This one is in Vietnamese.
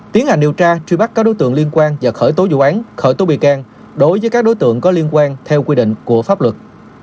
tiến hành điều tra truy bắt các đối tượng liên quan và khởi tố vụ án khởi tố bị can đối với các đối tượng có liên quan theo quy định của pháp luật